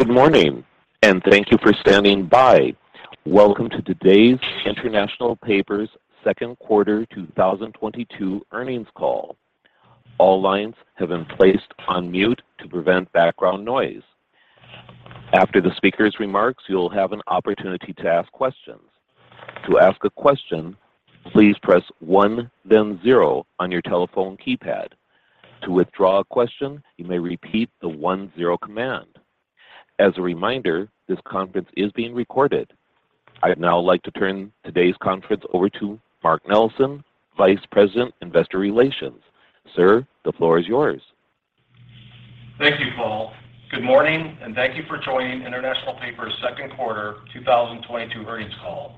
Good morning and thank you for standing by. Welcome to today's International Paper's Q2 2022 earnings call. All lines have been placed on mute to prevent background noise. After the speaker's remarks, you'll have an opportunity to ask questions. To ask a question, please press one then zero on your telephone keypad. To withdraw a question, you may repeat the one zero command. As a reminder, this conference is being recorded. I'd now like to turn today's conference over to Mark Nellessen, Vice President, Investor Relations. Sir, the floor is yours. Thank you, Paul. Good morning, and thank you for joining International Paper's Q2 2022 earnings call.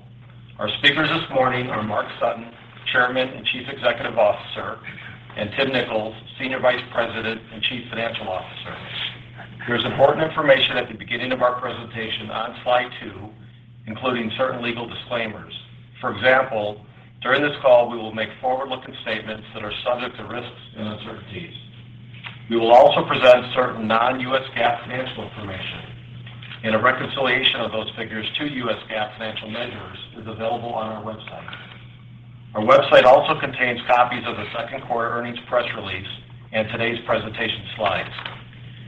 Our speakers this morning are Mark Sutton, Chairman and Chief Executive Officer, and Tim Nicholls, Senior Vice President and Chief Financial Officer. There's important information at the beginning of our presentation on slide 2, including certain legal disclaimers. For example, during this call, we will make forward-looking statements that are subject to risks and uncertainties. We will also present certain non-US GAAP financial information, and a reconciliation of those figures to US GAAP financial measures is available on our website. Our website also contains copies of the Q2 earnings press release and today's presentation slides.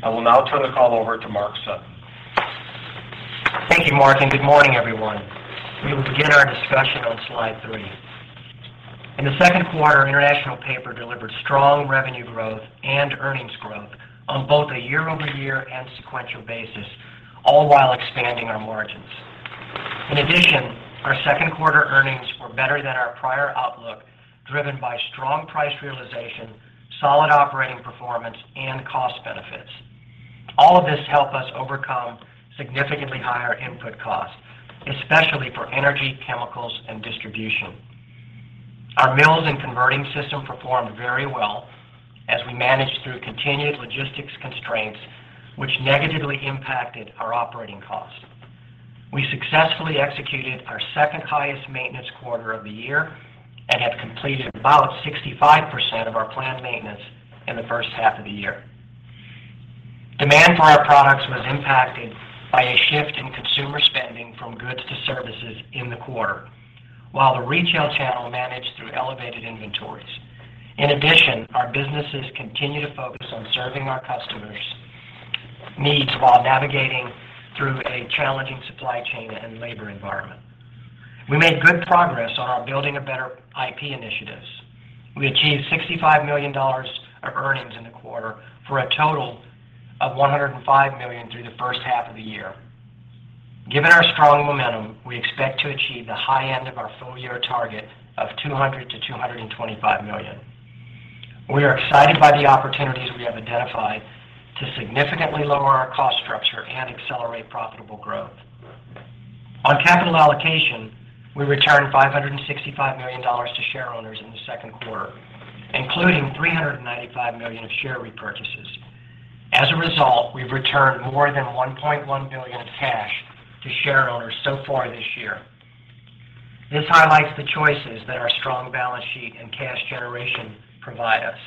I will now turn the call over to Mark Sutton. Thank you, Mark, and good morning, everyone. We will begin our discussion on slide 3. In the Q2, International Paper delivered strong revenue growth and earnings growth on both a year-over-year and sequential basis, all while expanding our margins. In addition, our Q2 earnings were better than our prior outlook, driven by strong price realization, solid operating performance, and cost benefits. All of this helped us overcome significantly higher input costs, especially for energy, chemicals, and distribution. Our mills and converting system performed very well as we managed through continued logistics constraints, which negatively impacted our operating costs. We successfully executed our second-highest maintenance quarter of the year and have completed about 65% of our planned maintenance in the first half of the year. Demand for our products was impacted by a shift in consumer spending from goods to services in the quarter, while the retail channel managed through elevated inventories. In addition, our businesses continue to focus on serving our customers' needs while navigating through a challenging supply chain and labor environment. We made good progress on our Building a Better IP initiatives. We achieved $65 million of earnings in the quarter for a total of $105 million through the first half of the year. Given our strong momentum, we expect to achieve the high end of our full-year target of $200 million-$225 million. We are excited by the opportunities we have identified to significantly lower our cost structure and accelerate profitable growth. On capital allocation, we returned $565 million to shareowners in the second quarter, including $395 million of share repurchases. As a result, we've returned more than $1.1 billion of cash to shareowners so far this year. This highlights the choices that our strong balance sheet and cash generation provide us.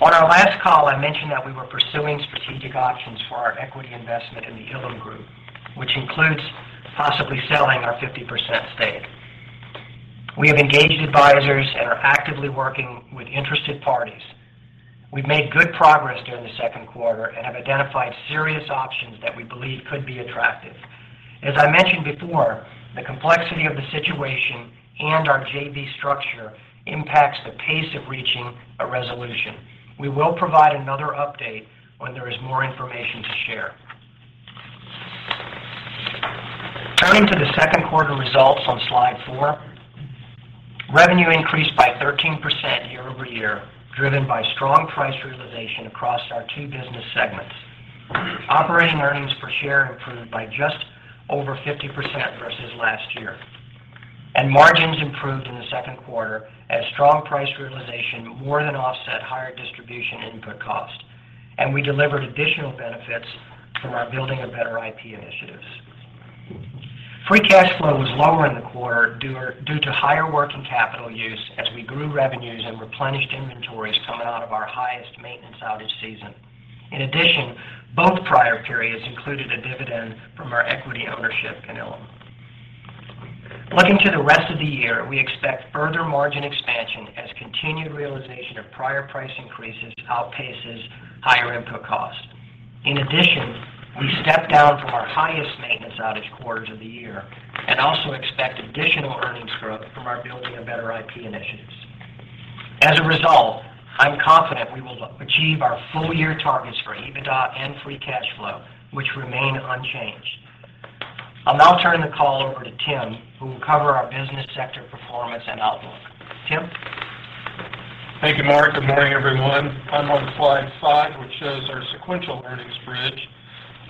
On our last call, I mentioned that we were pursuing strategic options for our equity investment in the Ilim Group, which includes possibly selling our 50% stake. We have engaged advisors and are actively working with interested parties. We've made good progress during the Q2 and have identified serious options that we believe could be attractive. As I mentioned before, the complexity of the situation and our JV structure impacts the pace of reaching a resolution. We will provide another update when there is more information to share. Turning to the Q2 results on slide 4, revenue increased by 13% year-over-year, driven by strong price realization across our two business segments. Operating earnings per share improved by just over 50% versus last year, and margins improved in the Q2 as strong price realization more than offset higher distribution input cost, and we delivered additional benefits from our Building a Better IP initiatives. Free cash flow was lower in the quarter due to higher working capital use as we grew revenues and replenished inventories coming out of our highest maintenance outage season. In addition, both prior periods included a dividend from our equity ownership in Ilim. Looking to the rest of the year, we expect further margin expansion as continued realization of prior price increases outpaces higher input costs. In addition, we stepped down from our highest maintenance outage quarters of the year and also expect additional earnings growth from our Building a Better IP initiatives. As a result, I'm confident we will achieve our full-year targets for EBITDA and free cash flow, which remain unchanged. I'll now turn the call over to Tim, who will cover our business sector performance and outlook. Tim? Thank you, Mark. Good morning, everyone. I'm on slide 5, which shows our sequential earnings bridge.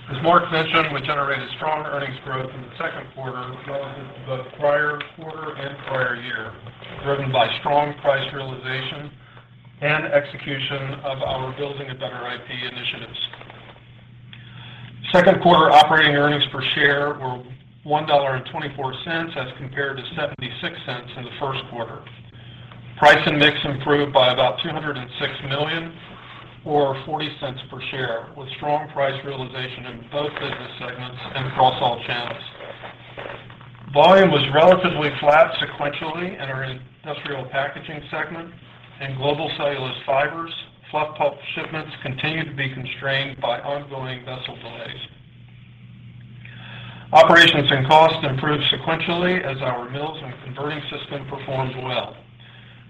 As Mark mentioned, we generated strong earnings growth in the second quarter relative to both prior quarter and prior year, driven by strong price realization and execution of our Building a Better IP initiatives. Q2 operating earnings per share were $1.24 as compared to $0.76 in the Q1. Price and mix improved by about $206 million or $0.40 per share, with strong price realization in both business segments and across all channels. Volume was relatively flat sequentially in our Industrial Packaging segment. In Global Cellulose Fibers, fluff pulp shipments continued to be constrained by ongoing vessel delays. Operations and cost improved sequentially as our mills and converting system performed well.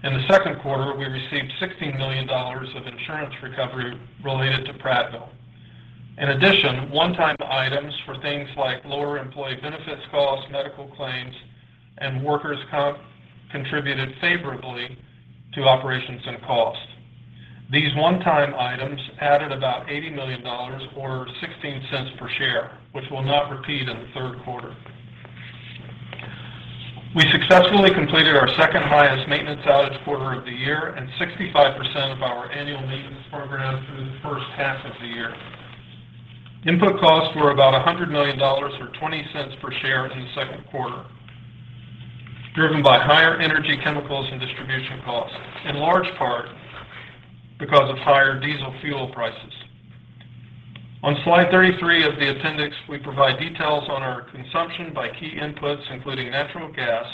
In the Q2, we received $60 million of insurance recovery related to Prattville. In addition, one-time items for things like lower employee benefits costs, medical claims, and workers' comp contributed favorably to operations and cost. These one-time items added about $80 million or $0.16 per share, which will not repeat in the Q3. We successfully completed our second highest maintenance outage quarter of the year and 65% of our annual maintenance program through the first half of the year. Input costs were about $100 million or $0.20 per share in the Q2, driven by higher energy, chemicals, and distribution costs, in large part because of higher diesel fuel prices. On slide 33 of the appendix, we provide details on our consumption by key inputs, including natural gas,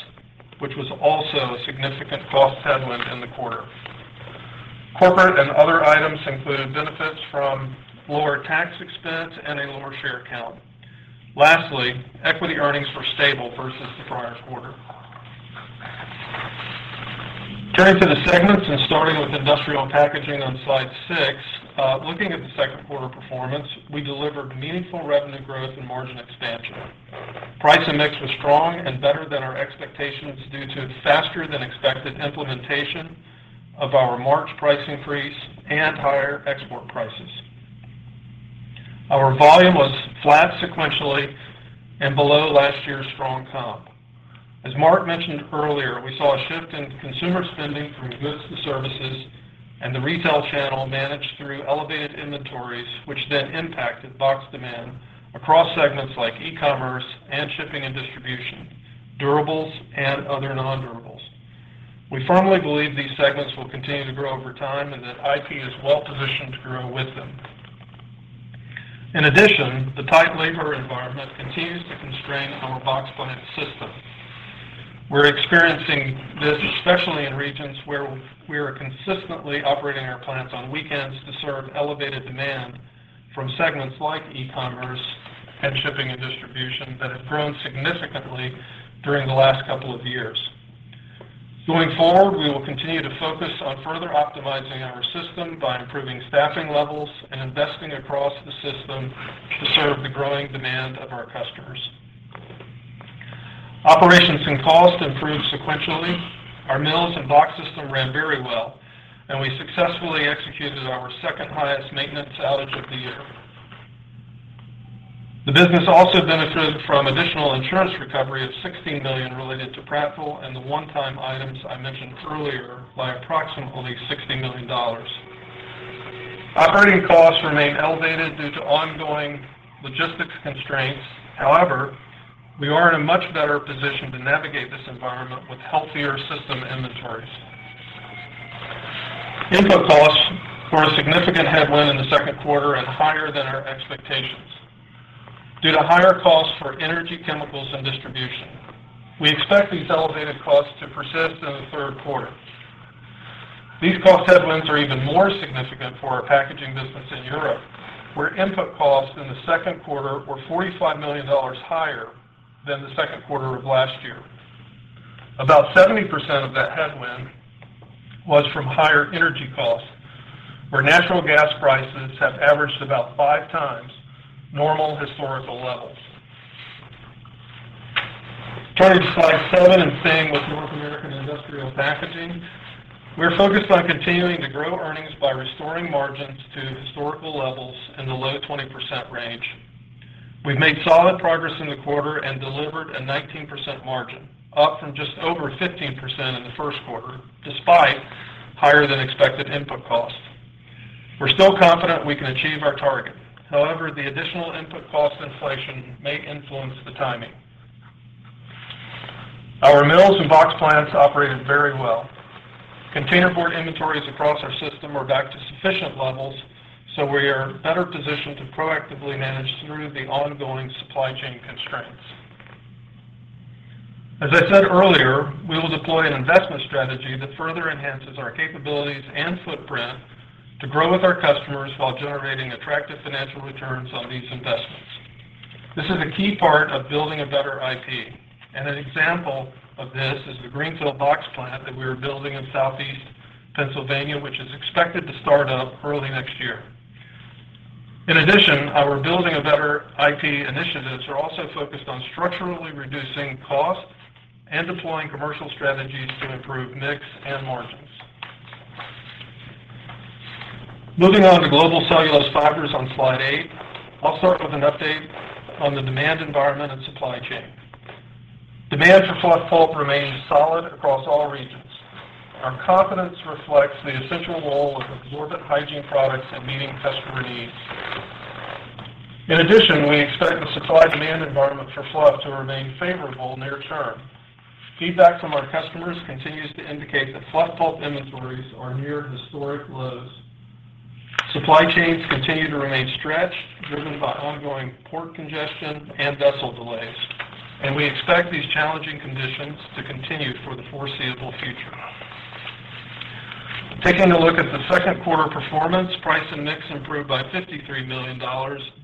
which was also a significant cost headwind in the quarter. Corporate and other items included benefits from lower tax expense and a lower share count. Lastly, equity earnings were stable versus the prior quarter. Turning to the segments and starting with Industrial Packaging on slide 6. Looking at the second quarter performance, we delivered meaningful revenue growth and margin expansion. Price and mix was strong and better than our expectations due to faster than expected implementation of our March price increase and higher export prices. Our volume was flat sequentially and below last year's strong comp. As Mark mentioned earlier, we saw a shift in consumer spending from goods to services, and the retail channel managed through elevated inventories, which then impacted box demand across segments like e-commerce and shipping and distribution, durables, and other non-durables. We firmly believe these segments will continue to grow over time, and that IP is well-positioned to grow with them. In addition, the tight labor environment continues to constrain our box plant system. We're experiencing this especially in regions where we are consistently operating our plants on weekends to serve elevated demand from segments like e-commerce and shipping and distribution that have grown significantly during the last couple of years. Going forward, we will continue to focus on further optimizing our system by improving staffing levels and investing across the system to serve the growing demand of our customers. Operations and costs improved sequentially. Our mills and box system ran very well, and we successfully executed our second highest maintenance outage of the year. The business also benefited from additional insurance recovery of $16 million related to Prattville and the one-time items I mentioned earlier by approximately $60 million. Operating costs remain elevated due to ongoing logistics constraints. However, we are in a much better position to navigate this environment with healthier system inventories. Input costs were a significant headwind in the second quarter and higher than our expectations due to higher costs for energy, chemicals, and distribution. We expect these elevated costs to persist in the Q3. These cost headwinds are even more significant for our packaging business in Europe, where input costs in the second quarter were $45 million higher than the second quarter of last year. About 70% of that headwind was from higher energy costs, where natural gas prices have averaged about five times normal historical levels. Turning to slide 7 and staying with North American Industrial Packaging. We are focused on continuing to grow earnings by restoring margins to historical levels in the low 20% range. We've made solid progress in the quarter and delivered a 19% margin, up from just over 15% in the first quarter, despite higher than expected input costs. We're still confident we can achieve our target. However, the additional input cost inflation may influence the timing. Our mills and box plants operated very well. Containerboard inventories across our system are back to sufficient levels, so we are better positioned to proactively manage through the ongoing supply chain constraints. As I said earlier, we will deploy an investment strategy that further enhances our capabilities and footprint to grow with our customers while generating attractive financial returns on these investments. This is a key part of Building a Better IP, and an example of this is the greenfield box plant that we are building in southeast Pennsylvania, which is expected to start up early next year. In addition, our Building a Better IP initiatives are also focused on structurally reducing costs and deploying commercial strategies to improve mix and margins. Moving on to Global Cellulose Fibers on slide 8. I'll start with an update on the demand environment and supply chain. Demand for fluff pulp remains solid across all regions. Our confidence reflects the essential role of absorbent hygiene products in meeting customer needs. In addition, we expect the supply-demand environment for fluff to remain favorable near term. Feedback from our customers continues to indicate that fluff pulp inventories are near historic lows. Supply chains continue to remain stretched, driven by ongoing port congestion and vessel delays, and we expect these challenging conditions to continue for the foreseeable future. Taking a look at the second quarter performance, price and mix improved by $53 million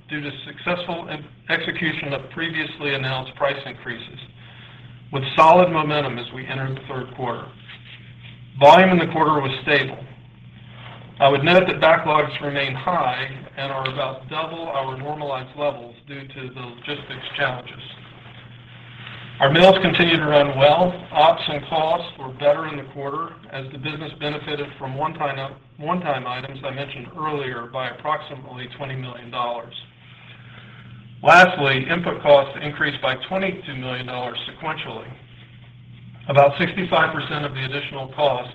due to successful execution of previously announced price increases with solid momentum as we enter the third quarter. Volume in the quarter was stable. I would note that backlogs remain high and are about double our normalized levels due to the logistics challenges. Our mills continued to run well. Ops and costs were better in the quarter as the business benefited from one-time items I mentioned earlier by approximately $20 million. Lastly, input costs increased by $22 million sequentially. About 65% of the additional cost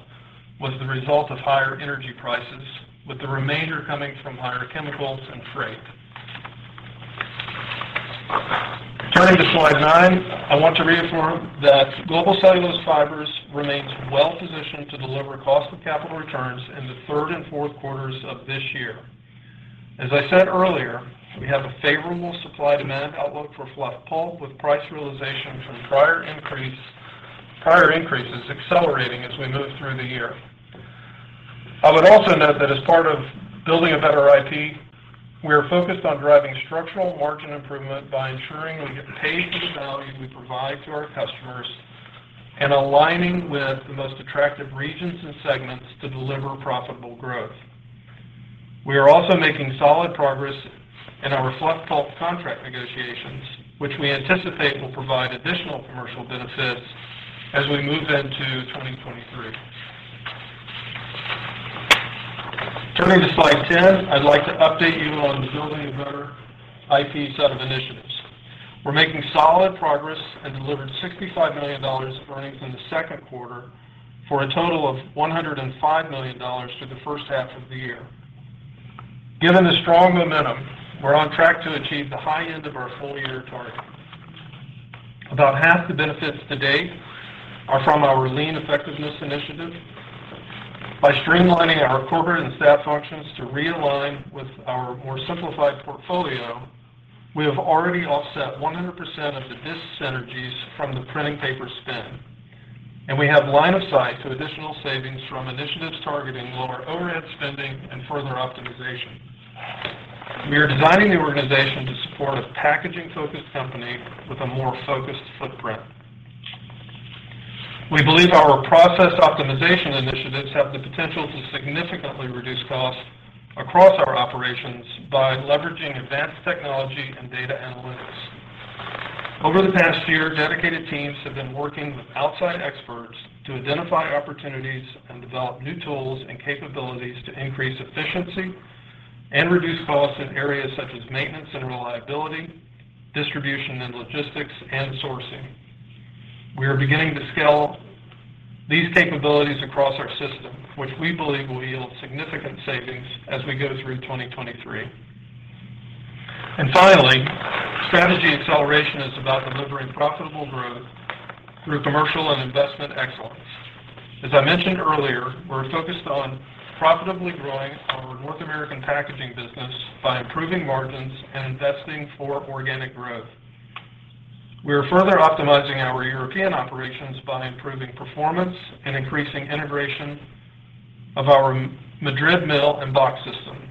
was the result of higher energy prices, with the remainder coming from higher chemicals and freight. Turning to slide 9, I want to reaffirm that Global Cellulose Fibers remains well positioned to deliver cost of capital returns in the third and fourth quarters of this year. As I said earlier, we have a favorable supply-demand outlook for fluff pulp, with price realization from prior increases accelerating as we move through the year. I would also note that as part of Building a Better IP, we are focused on driving structural margin improvement by ensuring we get paid for the value we provide to our customers and aligning with the most attractive regions and segments to deliver profitable growth. We are also making solid progress in our fluff pulp contract negotiations, which we anticipate will provide additional commercial benefits as we move into 2023. Turning to slide 10, I'd like to update you on the Building a Better IP set of initiatives. We're making solid progress and delivered $65 million of earnings in the second quarter, for a total of $105 million through the first half of the year. Given the strong momentum, we're on track to achieve the high end of our full year target. About half the benefits to date are from our Lean Effectiveness initiative. By streamlining our corporate and staff functions to realign with our more simplified portfolio, we have already offset 100% of the dis synergies from the printing paper spin, and we have line of sight to additional savings from initiatives targeting lower overhead spending and further optimization. We are designing the organization to support a packaging-focused company with a more focused footprint. We believe our process optimization initiatives have the potential to significantly reduce costs across our operations by leveraging advanced technology and data analytics. Over the past year, dedicated teams have been working with outside experts to identify opportunities and develop new tools and capabilities to increase efficiency and reduce costs in areas such as maintenance and reliability, distribution and logistics, and sourcing. We are beginning to scale these capabilities across our system, which we believe will yield significant savings as we go through 2023. Finally, strategy acceleration is about delivering profitable growth through commercial and investment excellence. As I mentioned earlier, we're focused on profitably growing our North American packaging business by improving margins and investing for organic growth. We are further optimizing our European operations by improving performance and increasing integration of our Madrid mill and box system.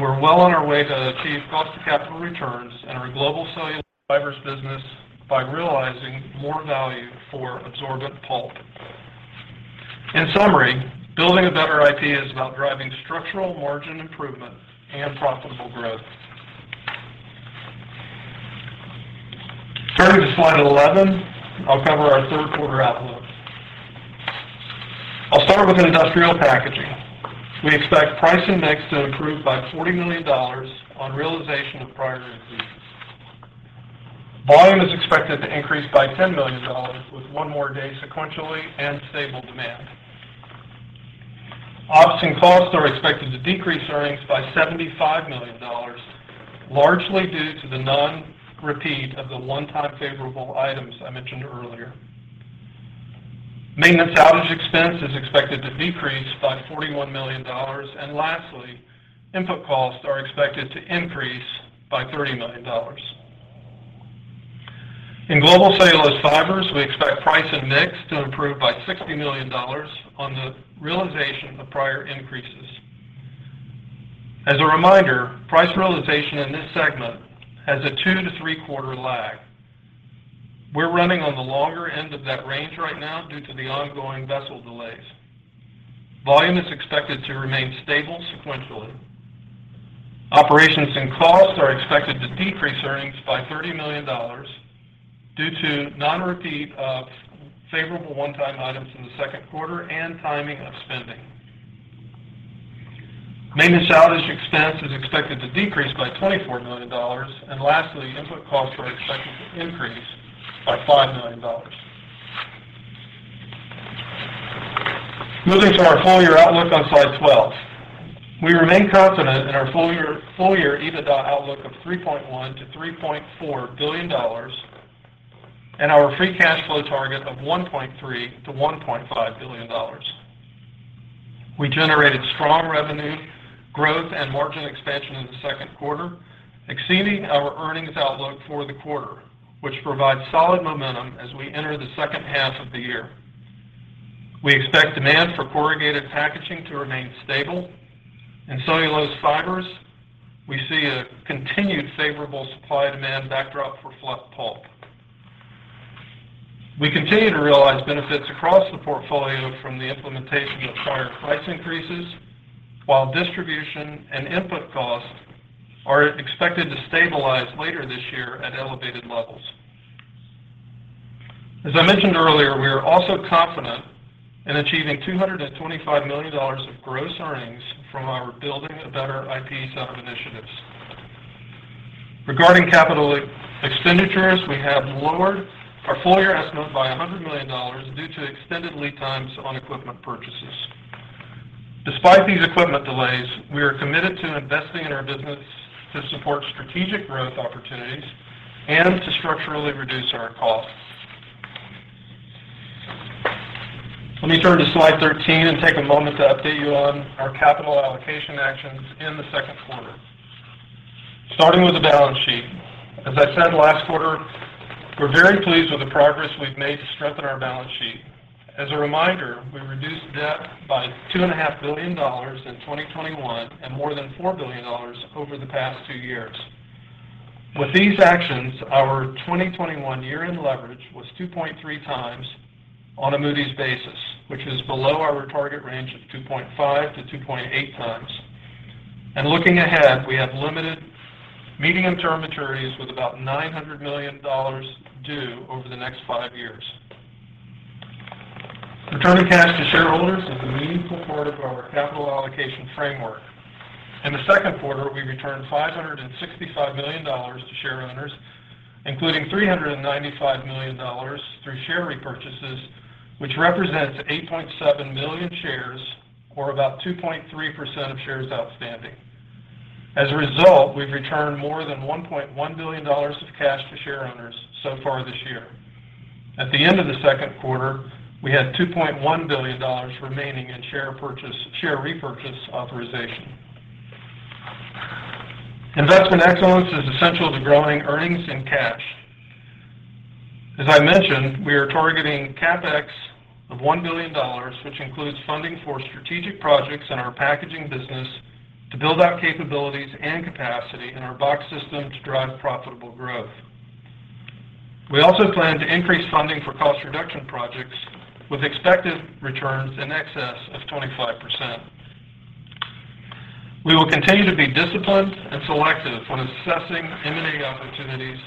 We're well on our way to achieve cost of capital returns in our Global Cellulose Fibers business by realizing more value for absorbent pulp. In summary, Building a Better IP is about driving structural margin improvement and profitable growth. Turning to slide 11, I'll cover our third quarter outlook. I'll start with Industrial Packaging. We expect price and mix to improve by $40 million on realization of prior increases. Volume is expected to increase by $10 million with one more day sequentially and stable demand. Ops and costs are expected to decrease earnings by $75 million, largely due to the non-repeat of the one-time favorable items I mentioned earlier. Maintenance outage expense is expected to decrease by $41 million. Lastly, input costs are expected to increase by $30 million. In Global Cellulose Fibers, we expect price and mix to improve by $60 million on the realization of prior increases. As a reminder, price realization in this segment has a 2-3 quarter lag. We're running on the longer end of that range right now due to the ongoing vessel delays. Volume is expected to remain stable sequentially. Operations and costs are expected to decrease earnings by $30 million due to non-repeat of favorable one-time items in the second quarter and timing of spending. Maintenance outage expense is expected to decrease by $24 million. Lastly, input costs are expected to increase by $5 million. Moving to our full year outlook on slide 12. We remain confident in our full year, full year EBITDA outlook of $3.1 billion-$3.4 billion and our free cash flow target of $1.3 billion-$1.5 billion. We generated strong revenue, growth, and margin expansion in the second quarter, exceeding our earnings outlook for the quarter, which provides solid momentum as we enter the second half of the year. We expect demand for corrugated packaging to remain stable. In cellulose fibers, we see a continued favorable supply-demand backdrop for fluff pulp. We continue to realize benefits across the portfolio from the implementation of prior price increases, while distribution and input costs are expected to stabilize later this year at elevated levels. As I mentioned earlier, we are also confident in achieving $225 million of gross earnings from our Building a Better IP 7 initiatives. Regarding capital expenditures, we have lowered our full-year estimate by $100 million due to extended lead times on equipment purchases. Despite these equipment delays, we are committed to investing in our business to support strategic growth opportunities and to structurally reduce our costs. Let me turn to slide 13 and take a moment to update you on our capital allocation actions in the second quarter. Starting with the balance sheet. As I said last quarter, we're very pleased with the progress we've made to strengthen our balance sheet. As a reminder, we reduced debt by $2 and a half billion in 2021 and more than $4 billion over the past 2 years. With these actions, our 2021 year-end leverage was 2.3 times on a Moody's basis, which is below our target range of 2.5-2.8 times. Looking ahead, we have limited medium-term maturities with about $900 million due over the next 5 years. Returning cash to shareholders is a meaningful part of our capital allocation framework. In the second quarter, we returned $565 million to share owners, including $395 million through share repurchases, which represents 8.7 million shares or about 2.3% of shares outstanding. As a result, we've returned more than $1.1 billion of cash to share owners so far this year. At the end of the second quarter, we had $2.1 billion remaining in share repurchase authorization. Investment excellence is essential to growing earnings and cash. As I mentioned, we are targeting CapEx of $1 billion, which includes funding for strategic projects in our packaging business to build out capabilities and capacity in our box system to drive profitable growth. We also plan to increase funding for cost reduction projects with expected returns in excess of 25%. We will continue to be disciplined and selective when assessing M&A opportunities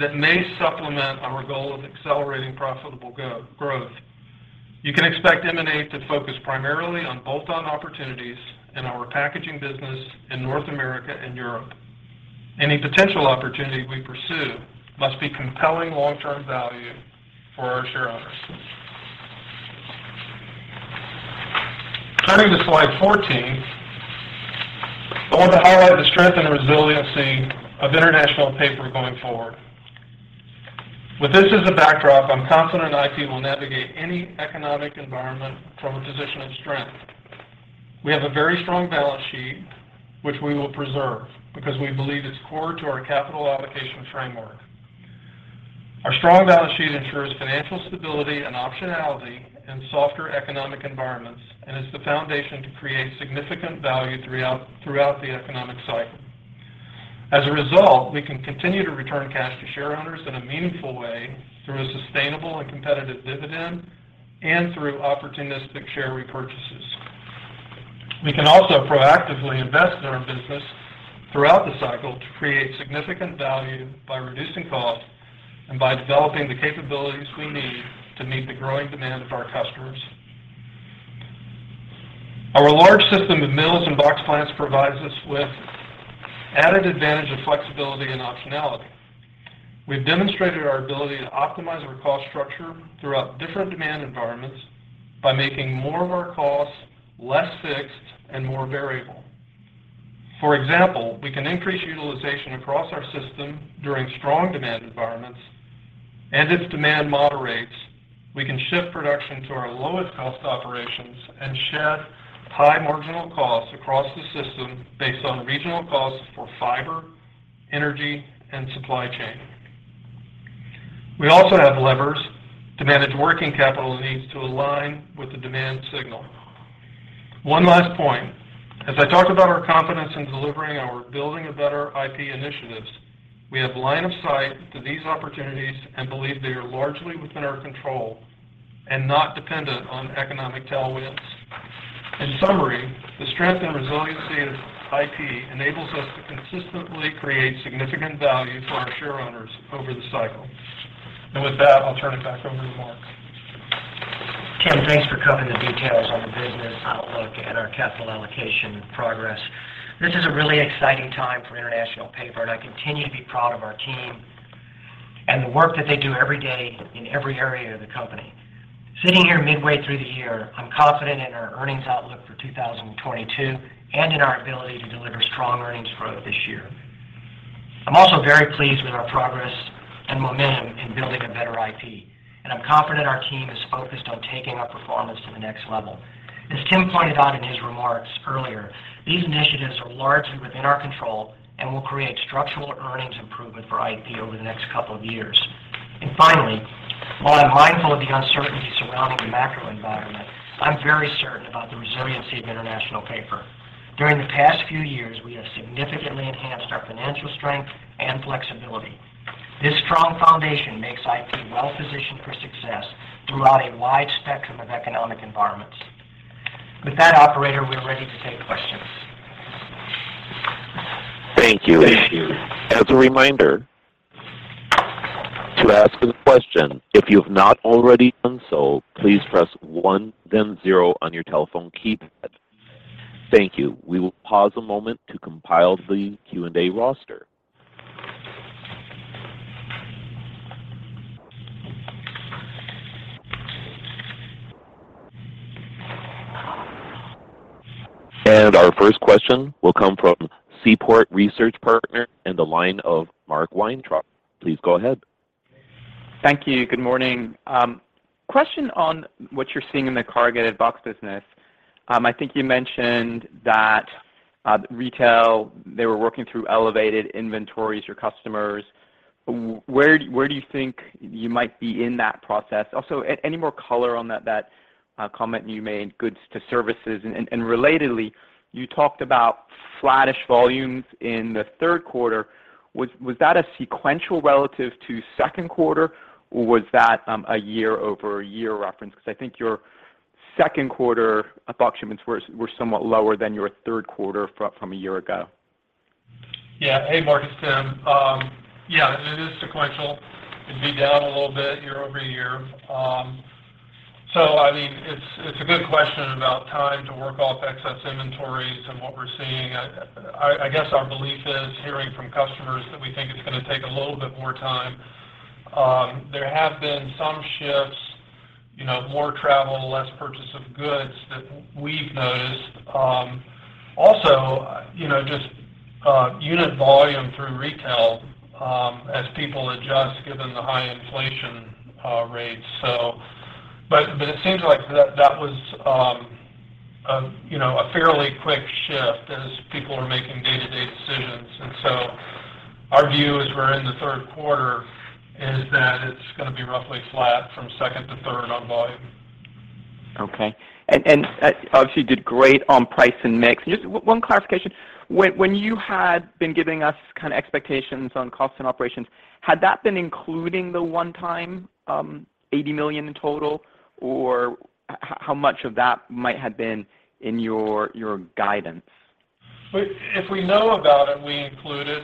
that may supplement our goal of accelerating profitable growth. You can expect M&A to focus primarily on bolt-on opportunities in our packaging business in North America and Europe. Any potential opportunity we pursue must be compelling long-term value for our share owners. Turning to slide 14, I want to highlight the strength and resiliency of International Paper going forward. With this as a backdrop, I'm confident IP will navigate any economic environment from a position of strength. We have a very strong balance sheet, which we will preserve because we believe it's core to our capital allocation framework. Our strong balance sheet ensures financial stability and optionality in softer economic environments and is the foundation to create significant value throughout the economic cycle. As a result, we can continue to return cash to share owners in a meaningful way through a sustainable and competitive dividend and through opportunistic share repurchases. We can also proactively invest in our business throughout the cycle to create significant value by reducing costs and by developing the capabilities we need to meet the growing demand of our customers. Our large system of mills and box plants provides us with added advantage of flexibility and optionality. We've demonstrated our ability to optimize our cost structure throughout different demand environments by making more of our costs less fixed and more variable. For example, we can increase utilization across our system during strong demand environments, and if demand moderates, we can shift production to our lowest cost operations and shed high marginal costs across the system based on regional costs for fiber, energy, and supply chain. We also have levers to manage working capital needs to align with the demand signal. One last point. As I talked about our confidence in delivering our Building a Better IP initiatives, we have line of sight to these opportunities and believe they are largely within our control and not dependent on economic tailwinds. In summary, the strength and resiliency of IP enables us to consistently create significant value for our share owners over the cycle. With that, I'll turn it back over to Mark. Tim, thanks for covering the details on the business outlook and our capital allocation progress. This is a really exciting time for International Paper, and I continue to be proud of our team and the work that they do every day in every area of the company. Sitting here midway through the year, I'm confident in our earnings outlook for 2022 and in our ability to deliver strong earnings growth this year. I'm also very pleased with our progress and momentum in Building a Better IP, and I'm confident our team is focused on taking our performance to the next level. As Tim pointed out in his remarks earlier, these initiatives are largely within our control and will create structural earnings improvement for IP over the next couple of years. Finally, while I'm mindful of the uncertainty surrounding the macro environment, I'm very certain about the resiliency of International Paper. During the past few years, we have significantly enhanced our financial strength and flexibility. This strong foundation makes IP well-positioned for success throughout a wide spectrum of economic environments. With that, operator, we are ready to take questions. Thank you. As a reminder, to ask a question, if you've not already done so, please press one then zero on your telephone keypad. Thank you. We will pause a moment to compile the Q&A roster. Our first question will come from Seaport Research Partners, and the line of Mark Weintraub. Please go ahead. Thank you. Good morning. Question on what you're seeing in the corrugated box business. I think you mentioned that retail, they were working through elevated inventories, your customers. Where do you think you might be in that process? Also, any more color on that comment you made, goods to services. Relatedly, you talked about flattish volumes in the third quarter. Was that a sequential relative to second quarter, or was that a year-over-year reference? Because I think your second quarter box shipments were somewhat lower than your third quarter from a year ago. Yeah. Hey, Mark, it's Tim. Yeah, it is sequential. It'd be down a little bit year-over-year. I mean, it's a good question about time to work off excess inventories and what we're seeing. I guess our belief is hearing from customers that we think it's gonna take a little bit more time. There have been some shifts, you know, more travel, less purchase of goods that we've noticed. Also, you know, just unit volume through retail, as people adjust given the high inflation rates. It seems like that was a fairly quick shift as people are making day-to-day decisions. Our view as we're in the third quarter is that it's gonna be roughly flat from second to third on volume. Obviously did great on price and mix. Just one clarification. When you had been giving us kind of expectations on cost and operations, had that been including the one-time $80 million in total? How much of that might have been in your guidance? If we know about it, we include it.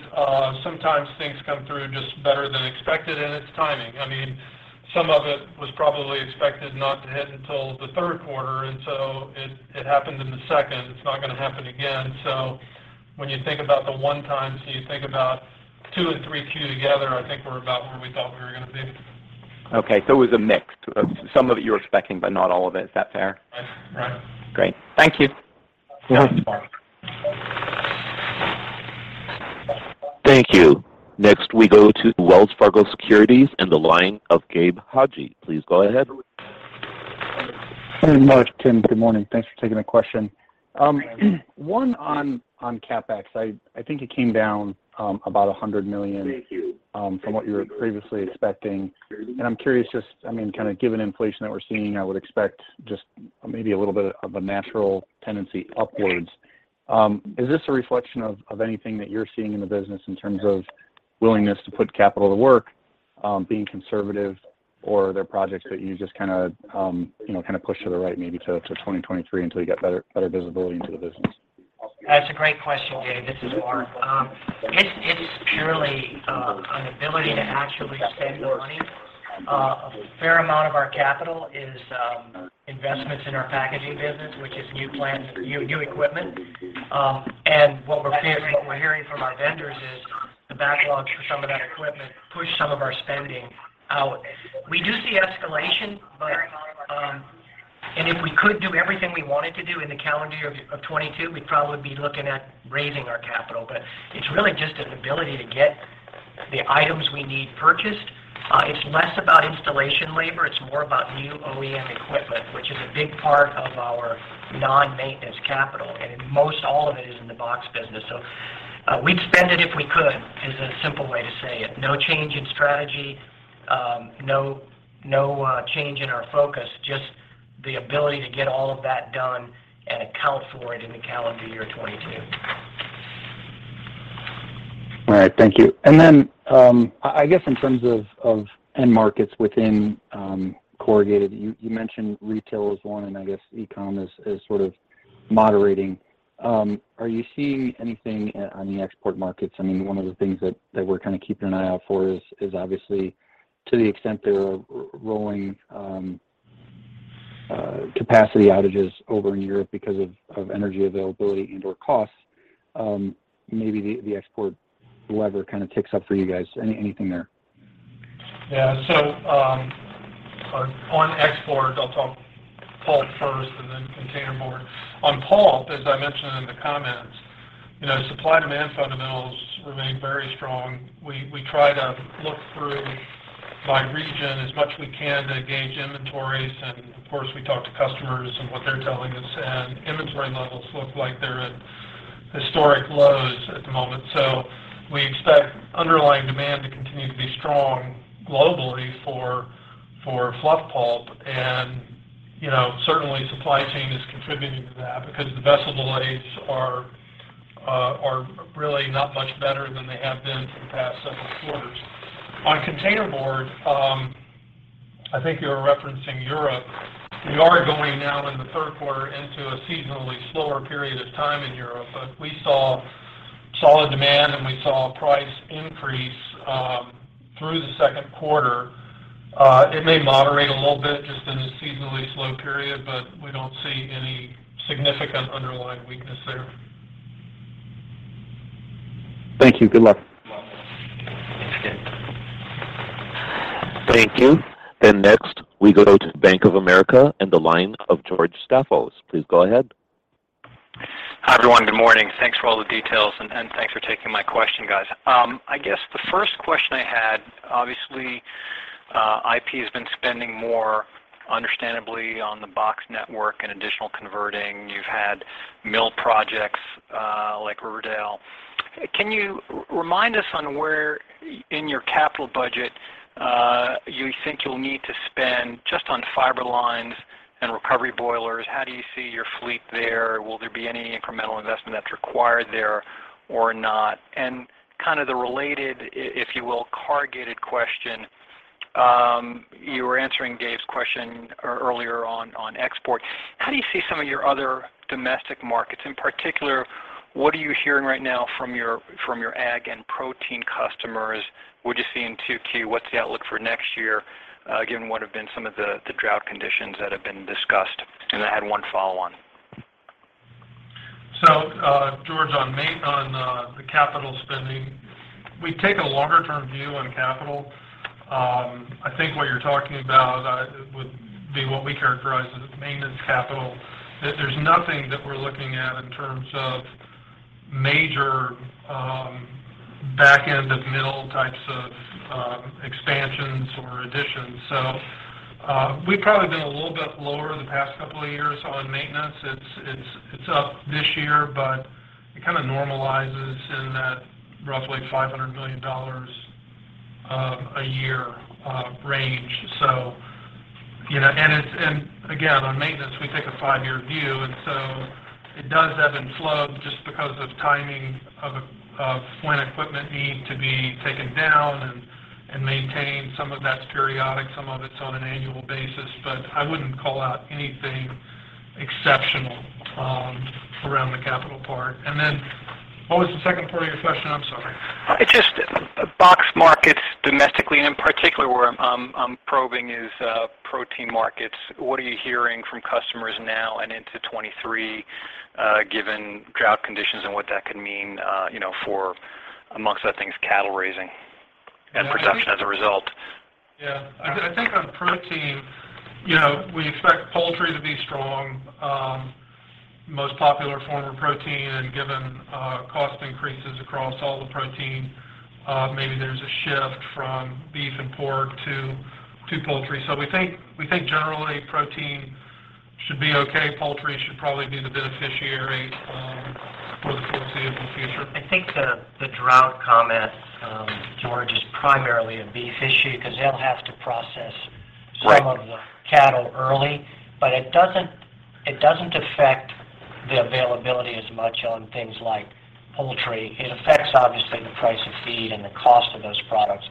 Sometimes things come through just better than expected, and it's timing. I mean, some of it was probably expected not to hit until the third quarter, and so it happened in the second. It's not gonna happen again. When you think about the one times and you think about two and three Q together, I think we're about where we thought we were gonna be. Okay. It was a mix. Some of it you're expecting, but not all of it. Is that fair? Right. Great. Thank you. You got it. Thanks, Mark. Thank you. Next, we go to Wells Fargo Securities and the line of Gabe Hajde. Please go ahead. Mark, Tim, good morning. Thanks for taking the question. One on CapEx. I think it came down about $100 million from what you were previously expecting. I'm curious just, I mean, kind of given inflation that we're seeing, I would expect just maybe a little bit of a natural tendency upwards. Is this a reflection of anything that you're seeing in the business in terms of willingness to put capital to work, being conservative or are there projects that you just kind of push to the right maybe to 2023 until you get better visibility into the business? That's a great question, Gabe. This is Mark. It's purely an ability to actually spend the money. A fair amount of our capital is investments in our packaging business, which is new plants, new equipment. What we're hearing from our vendors is the backlogs for some of that equipment pushed some of our spending out. We do see escalation, and if we could do everything we wanted to do in the calendar year of 2022, we'd probably be looking at raising our capital. It's really just an ability to get the items we need purchased. It's less about installation labor, it's more about new OEM equipment, which is a big part of our non-maintenance capital. Most all of it is in the box business. We'd spend it if we could, is a simple way to say it. No change in strategy, no change in our focus, just the ability to get all of that done and account for it in the calendar year 2022. All right. Thank you. I guess in terms of end markets within corrugated, you mentioned retail is one, and I guess e-com is sort of moderating. Are you seeing anything on the export markets? I mean, one of the things that we're kinda keeping an eye out for is obviously to the extent they're rolling capacity outages over in Europe because of energy availability and/or costs, maybe the export lever kind of ticks up for you guys. Anything there? Yeah. On exports, I'll talk pulp first and then containerboard. On pulp, as I mentioned in the comments, you know, supply-demand fundamentals remain very strong. We try to look through by region as much as we can to gauge inventories, and of course, we talk to customers and what they're telling us, and inventory levels look like they're at historic lows at the moment. We expect underlying demand to continue to be strong globally for fluff pulp. You know, certainly supply chain is contributing to that because the vessel delays are really not much better than they have been for the past several quarters. On containerboard, I think you're referencing Europe. We are going now in the third quarter into a seasonally slower period of time in Europe, but we saw solid demand, and we saw price increase through the second quarter. It may moderate a little bit just in the seasonally slow period, but we don't see any significant underlying weakness there. Thank you. Good luck. You're welcome. Thanks, Gabe. Thank you. Next, we go to Bank of America and the line of George Staphos. Please go ahead. Hi, everyone. Good morning. Thanks for all the details, and thanks for taking my question, guys. I guess the first question I had, obviously, IP has been spending more understandably on the box network and additional converting. You've had mill projects, like Riverdale. Can you remind us on where in your capital budget, you think you'll need to spend just on fiber lines and recovery boilers? How do you see your fleet there? Will there be any incremental investment that's required there or not? Kind of the related, if you will, corrugated question, you were answering Dave's question earlier on export. How do you see some of your other domestic markets? In particular, what are you hearing right now from your ag and protein customers? What'd you see in 2Q? What's the outlook for next year, given what have been some of the drought conditions that have been discussed? I had one follow on. George, on the capital spending, we take a longer term view on capital. I think what you're talking about would be what we characterize as maintenance capital, that there's nothing that we're looking at in terms of major, backend of mill types of, expansions or additions. We've probably been a little bit lower the past couple of years on maintenance. It's up this year, but it kind of normalizes in that roughly $500 million a year range. Again, on maintenance, we take a five-year view, and so it does ebb and flow just because of timing of when equipment need to be taken down and maintained. Some of that's periodic, some of it's on an annual basis. I wouldn't call out anything exceptional around the capital part. Then what was the second part of your question? I'm sorry. Just box markets domestically, and in particular, where I'm probing is protein markets. What are you hearing from customers now and into 2023, given drought conditions and what that could mean, you know, for amongst other things, cattle raising and production as a result? I think on protein, you know, we expect poultry to be strong, most popular form of protein and given cost increases across all the protein, maybe there's a shift from beef and pork to poultry. We think generally protein should be okay. Poultry should probably be the beneficiary for the foreseeable future. I think the drought comment, George, is primarily a beef issue because they'll have to process. Right. Some of the cattle early. It doesn't affect the availability as much on things like poultry. It affects obviously the price of feed and the cost of those products.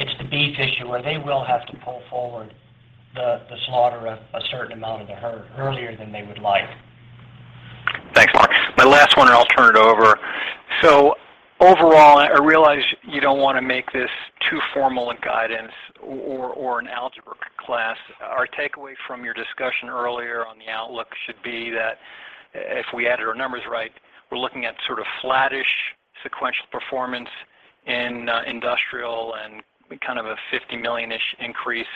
It's the beef issue where they will have to pull forward the slaughter a certain amount of the herd earlier than they would like. Thanks, Mark. My last one, and I'll turn it over. Overall, I realize you don't wanna make this too formal a guidance or an algebra class. Our takeaway from your discussion earlier on the outlook should be that if we added our numbers right, we're looking at sort of flattish sequential performance in industrial and kind of a $50 million-ish increase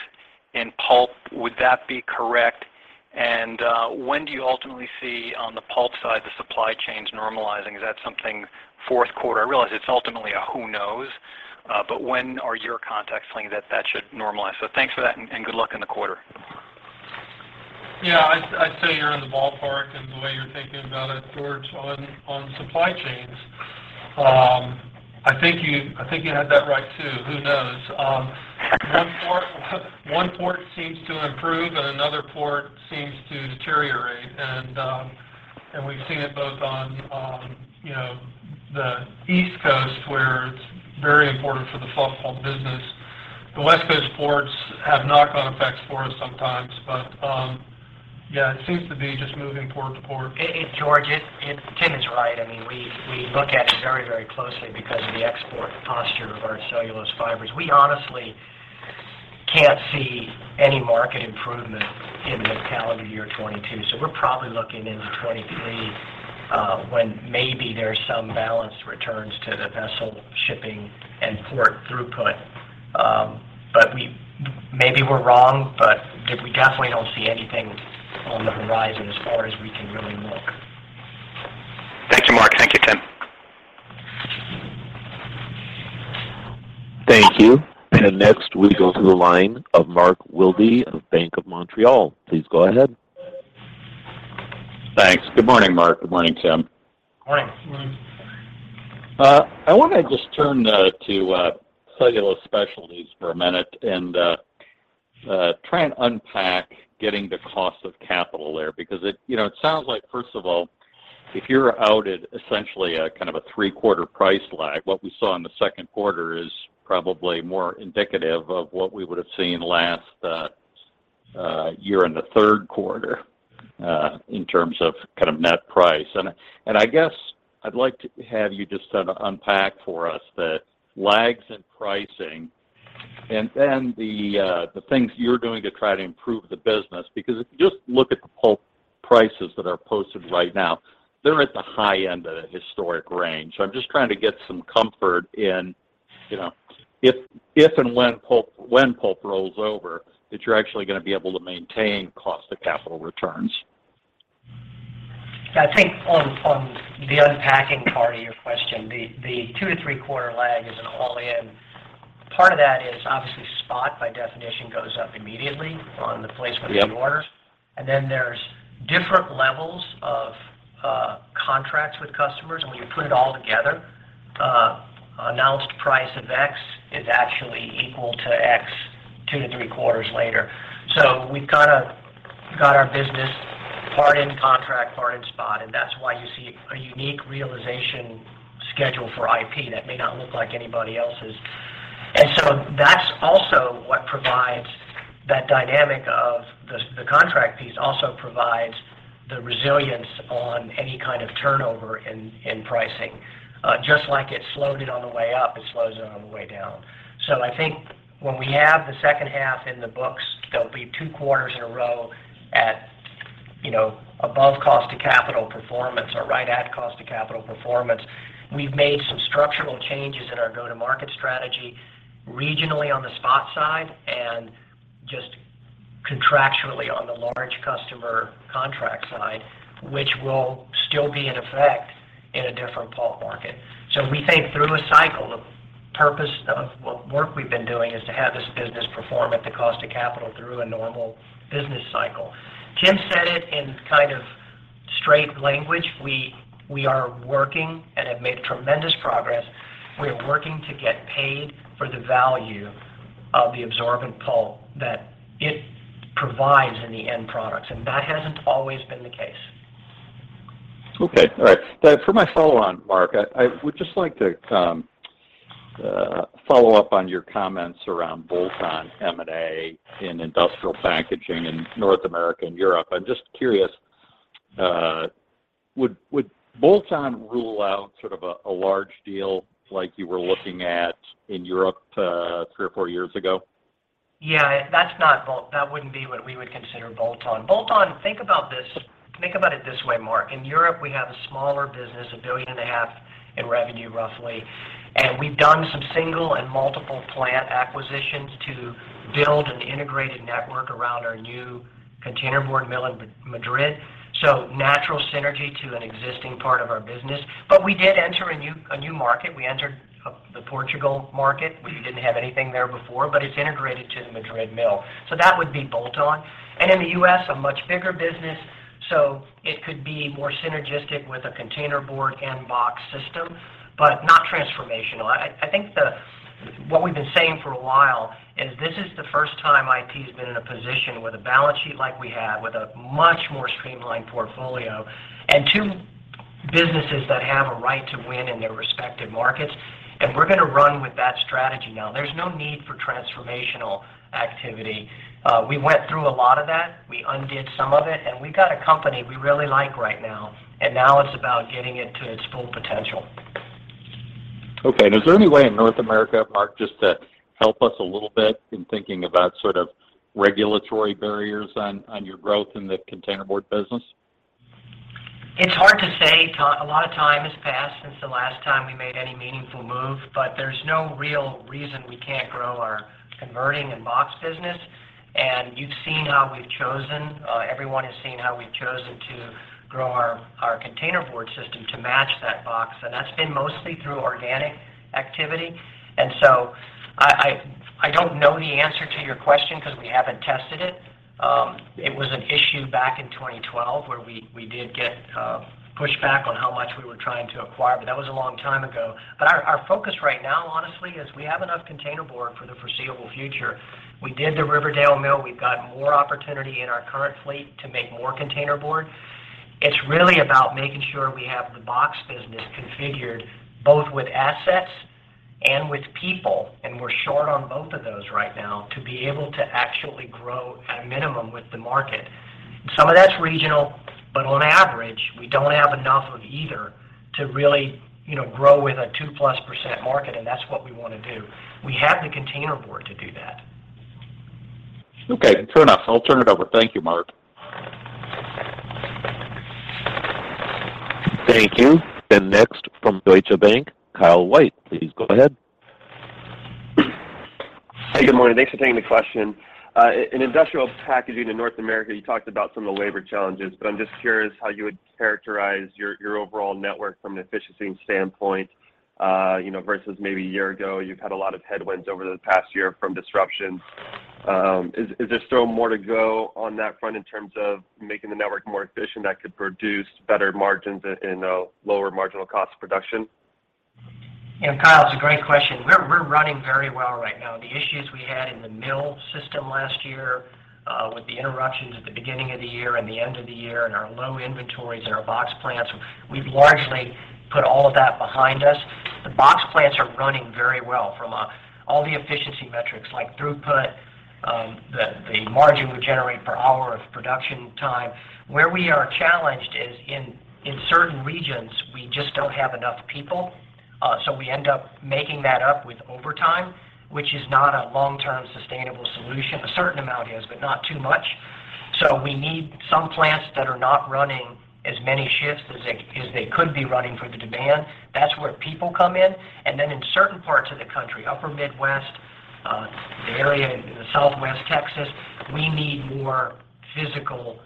in pulp. Would that be correct? When do you ultimately see on the pulp side the supply chains normalizing? Is that something fourth quarter? I realize it's ultimately a who knows, but when are your contacts telling you that that should normalize? Thanks for that and good luck in the quarter. Yeah. I'd say you're in the ballpark in the way you're thinking about it, George, on supply chains. I think you had that right, too. Who knows? One port seems to improve and another port seems to deteriorate. We've seen it both on, you know, the East Coast where it's very important for the fluff pulp business. The West Coast ports have knock-on effects for us sometimes. Yeah, it seems to be just moving port to port. George, Tim is right. I mean, we look at it very closely because of the export posture of our cellulose fibers. We honestly can't see any market improvement in the calendar year 2022. We're probably looking into 2023 when maybe there's some balance returns to the vessel shipping and port throughput. But maybe we're wrong, but we definitely don't see anything on the horizon as far as we can really look. Thank you, Mark. Thank you, Tim. Thank you. Next, we go to the line of Mark Wilde of Bank of Montreal. Please go ahead. Thanks. Good morning, Mark. Good morning, Tim. Morning. Morning. I want to just turn to cellulose fibers for a minute and try and unpack getting the cost of capital there because it, you know, it sounds like, first of all, you have essentially kind of a three-quarter price lag. What we saw in the second quarter is probably more indicative of what we would have seen last year in the third quarter in terms of kind of net price. I guess I'd like to have you just kinda unpack for us the lags in pricing and the things you're doing to try to improve the business because if you just look at the pulp prices that are posted right now, they're at the high end of the historic range. I'm just trying to get some comfort in, you know, if and when pulp rolls over that you're actually going to be able to maintain cost of capital returns. I think on the unpacking part of your question, the two to three-quarter lag is an all-in. Part of that is obviously spot by definition goes up immediately on the placement. Yep. of the orders. Then there's different levels of contracts with customers. When you put it all together, announced price of X is actually equal to X 2 to 3 quarters later. We've kinda got our business part in contract, part in spot, and that's why you see a unique realization schedule for IP that may not look like anybody else's. That's also what provides that dynamic of the contract piece also provides the resilience on any kind of turnover in pricing. Just like it slowed it on the way up, it slows it on the way down. I think when we have the second half in the books, there'll be two quarters in a row at, you know, above cost to capital performance or right at cost to capital performance. We've made some structural changes in our go-to-market strategy regionally on the spot side and just contractually on the large customer contract side, which will still be in effect in a different pulp market. We think through a cycle, the purpose of what work we've been doing is to have this business perform at the cost of capital through a normal business cycle. Tim said it in kind of straight language. We are working and have made tremendous progress. We are working to get paid for the value of the absorbent pulp that it provides in the end products, and that hasn't always been the case. Okay. All right. For my follow on, Mark, I would just like to follow up on your comments around bolt-on M&A in Industrial Packaging in North America and Europe. I'm just curious, would bolt-on rule out sort of a large deal like you were looking at in Europe, three or four years ago? Yeah. That's not bolt-on. That wouldn't be what we would consider bolt-on. Bolt-on, think about it this way, Mark. In Europe, we have a smaller business, $1.5 billion in revenue, roughly, and we've done some single and multiple plant acquisitions to build an integrated network around our new containerboard mill in Madrid. Natural synergy to an existing part of our business. We did enter a new market. We entered the Portuguese market. We didn't have anything there before, but it's integrated to the Madrid mill. That would be bolt-on. In the U.S., a much bigger business, so it could be more synergistic with a containerboard and box system, but not transformational. What we've been saying for a while is this is the first time IP has been in a position with a balance sheet like we have with a much more streamlined portfolio and two businesses that have a right to win in their respective markets. We're going to run with that strategy now. There's no need for transformational activity. We went through a lot of that. We undid some of it, and we got a company we really like right now, and now it's about getting it to its full potential. Okay. Is there any way in North America, Mark, just to help us a little bit in thinking about sort of regulatory barriers on your growth in the containerboard business? It's hard to say. A lot of time has passed since the last time we made any meaningful move, but there's no real reason we can't grow our converting and box business. You've seen how we've chosen, everyone has seen how we've chosen to grow our containerboard system to match that box, and that's been mostly through organic activity. I don't know the answer to your question because we haven't tested it. It was an issue back in 2012 where we did get pushback on how much we were trying to acquire, but that was a long time ago. Our focus right now, honestly, is we have enough containerboard for the foreseeable future. We did the Riverdale mill. We've got more opportunity in our current fleet to make more containerboard. It's really about making sure we have the box business configured both with assets and with people, and we're short on both of those right now to be able to actually grow at a minimum with the market. Some of that's regional, but on average, we don't have enough of either to really, you know, grow with a 2%+ market, and that's what we wanna do. We have the containerboard to do that. Okay, fair enough. I'll turn it over. Thank you, Mark. Thank you. Next from Deutsche Bank, Kyle White, please go ahead. Hey, good morning. Thanks for taking the question. In Industrial Packaging in North America, you talked about some of the labor challenges, but I'm just curious how you would characterize your overall network from an efficiency standpoint, you know, versus maybe a year ago. You've had a lot of headwinds over the past year from disruptions. Is there still more to go on that front in terms of making the network more efficient that could produce better margins, and a lower marginal cost production? Kyle, it's a great question. We're running very well right now. The issues we had in the mill system last year, with the interruptions at the beginning of the year and the end of the year, and our low inventories in our box plants, we've largely put all of that behind us. The box plants are running very well from all the efficiency metrics like throughput, the margin we generate per hour of production time. Where we are challenged is in certain regions, we just don't have enough people, so we end up making that up with overtime, which is not a long-term sustainable solution. A certain amount is, but not too much. We need some plants that are not running as many shifts as they could be running for the demand. That's where people come in. In certain parts of the country, Upper Midwest, the area in southwest Texas, we need more physical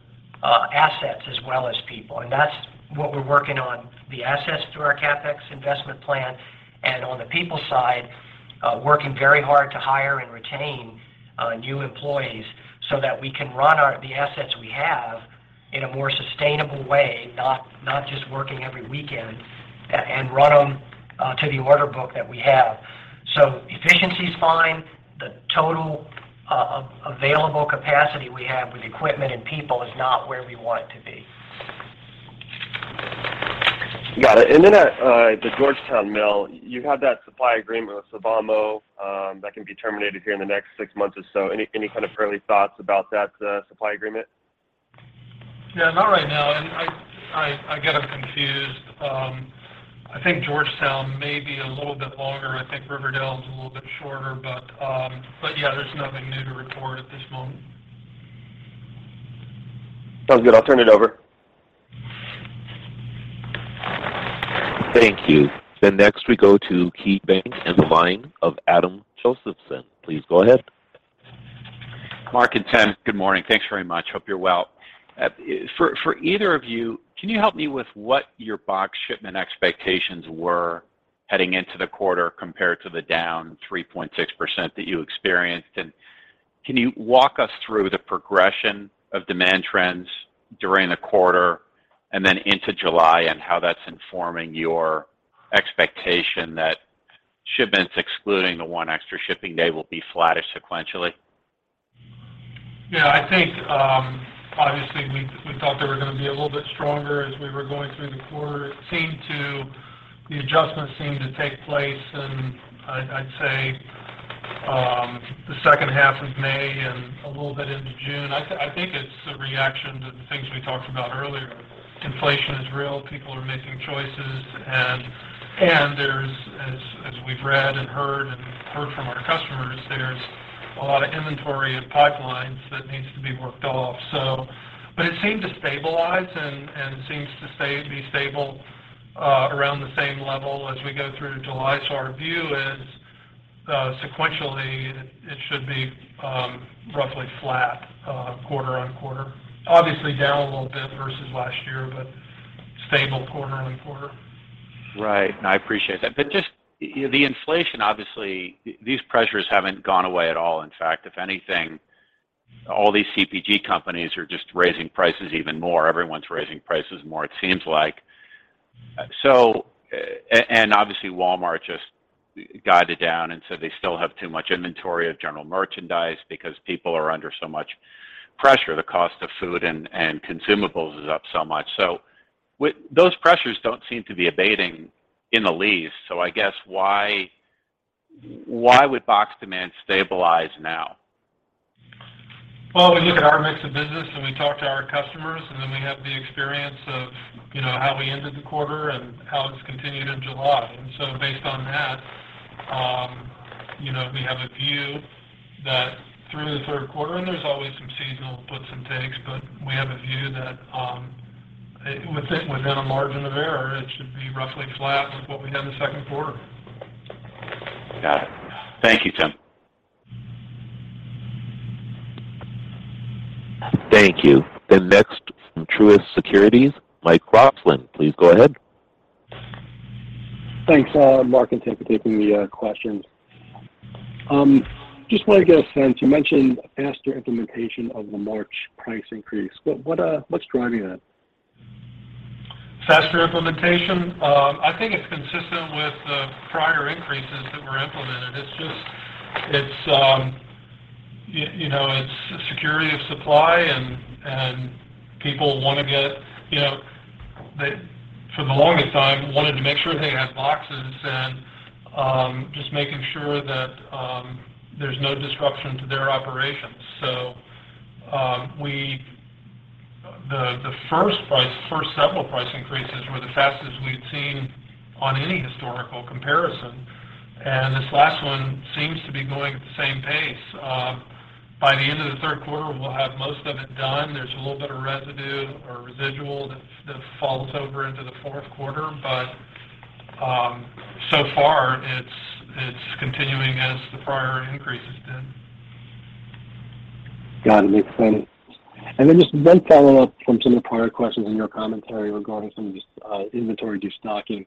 assets as well as people. That's what we're working on, the assets through our CapEx investment plan and on the people side, working very hard to hire and retain new employees so that we can run the assets we have in a more sustainable way, not just working every weekend and run them to the order book that we have. Efficiency's fine. The total available capacity we have with equipment and people is not where we want it to be. Got it. At the Georgetown mill, you have that supply agreement with Sylvamo that can be terminated here in the next six months or so. Any kind of early thoughts about that supply agreement? Yeah, not right now. I got them confused. I think Georgetown may be a little bit longer. I think Riverdale is a little bit shorter. Yeah, there's nothing new to report at this moment. Sounds good. I'll turn it over. Thank you. Next we go to KeyBank, and the line of Adam Josephson. Please go ahead. Mark and Tim, good morning. Thanks very much. Hope you're well. For either of you, can you help me with what your box shipment expectations were heading into the quarter compared to the down 3.6% that you experienced? Can you walk us through the progression of demand trends during the quarter and then into July and how that's informing your expectation that shipments excluding the one extra shipping day will be flattish sequentially? Yeah, I think obviously we thought they were gonna be a little bit stronger as we were going through the quarter. The adjustments seemed to take place in I'd say the second half of May and a little bit into June. I think it's a reaction to the things we talked about earlier. Inflation is real. People are making choices. There's, as we've read and heard from our customers, a lot of inventory in pipelines that needs to be worked off. It seemed to stabilize and seems to be stable around the same level as we go through July. Our view is sequentially it should be roughly flat quarter-over-quarter. Obviously down a little bit versus last year, but stable quarter-over-quarter. Right. No, I appreciate that. Just, you know, the inflation, obviously, these pressures haven't gone away at all. In fact, if anything, all these CPG companies are just raising prices even more. Everyone's raising prices more, it seems like. And obviously, Walmart just guided down and said they still have too much inventory of general merchandise because people are under so much pressure. The cost of food and consumables is up so much. Those pressures don't seem to be abating in the least. I guess why would box demand stabilize now? Well, we look at our mix of business, and we talk to our customers, and then we have the experience of, you know, how we ended the quarter and how it's continued in July. Based on that, you know, we have a view that through the third quarter, and there's always some seasonal puts and takes, but we have a view that, within a margin of error, it should be roughly flat with what we had in the second quarter. Got it. Thank you, Tim. Thank you. Next from Truist Securities, Michael Roxland, please go ahead. Thanks, Mark and Tim for taking the questions. Just want to get a sense. You mentioned faster implementation of the March price increase. What's driving that? Faster implementation? I think it's consistent with the prior increases that were implemented. It's just, you know, it's security of supply and people wanna get, you know. They, for the longest time, wanted to make sure they had boxes and just making sure that there's no disruption to their operations. The first several price increases were the fastest we'd seen on any historical comparison. This last one seems to be going at the same pace. By the end of the third quarter, we'll have most of it done. There's a little bit of residue or residual that falls over into the fourth quarter, but so far it's continuing as the prior increase has been. Got it. Makes sense. Then just one follow-up from some of the prior questions in your commentary regarding some of this inventory destocking.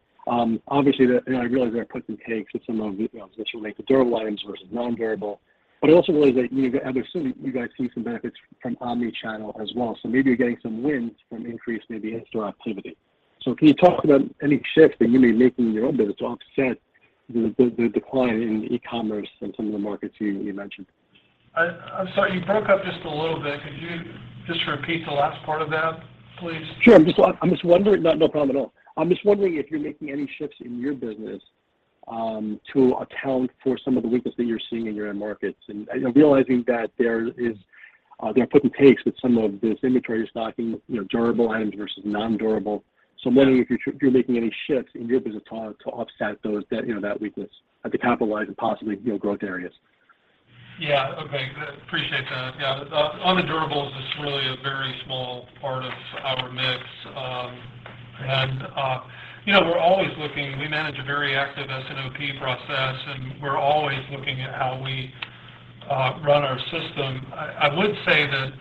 Obviously, and I realize there are puts and takes with some of the, you know, especially with the durable items versus nondurable. I also realize that you guys, I'm assuming you guys see some benefits from omnichannel as well, so maybe you're getting some wins from increased maybe in-store activity. Can you talk about any shifts that you may make in your own business to offset the decline in e-commerce in some of the markets you mentioned? I'm sorry. You broke up just a little bit. Could you just repeat the last part of that, please? Sure. I'm just wondering. No, no problem at all. I'm just wondering if you're making any shifts in your business to account for some of the weakness that you're seeing in your end markets. You know, realizing that there are puts and takes with some of this inventory destocking, you know, durable items versus nondurable. I'm wondering if you're making any shifts in your business to offset that weakness to capitalize on possibly, you know, growth areas. Yeah. Okay. Appreciate that. Yeah. On the durables, it's really a very small part of our mix. You know, we're always looking. We manage a very active S&OP process, and we're always looking at how we run our system. I would say that